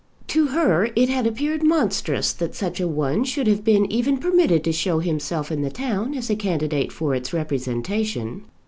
To her it had appeared monstrous that such a one should have been even permitted to show himself in the town as a candidate for its representation.